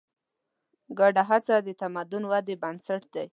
ګډه هڅه د تمدن ودې بنسټ دی.